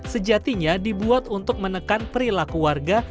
sejatinya dibuat untuk menekan perilaku warga